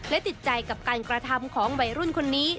และติดใจกับการกระทำของวัยรุ่นคนนี้